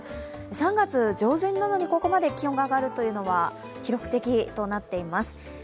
３月上旬なのに、ここまで気温が上がるというのは記録的となっています。